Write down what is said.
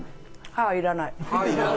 歯いらない。